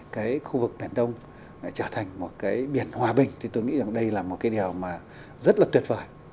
cái khu vực biển đông trở thành một cái biển hòa bình thì tôi nghĩ rằng đây là một cái điều mà rất là tuyệt vời